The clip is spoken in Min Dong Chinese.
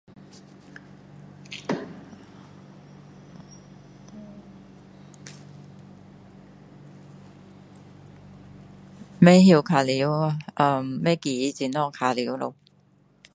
不会玩呀呃忘记怎样玩了